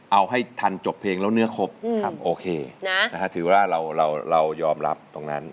เอาให้ทันจบเพลงแล้วเนื้อครบโอเคถือว่าเรายอมรับตรงนั้น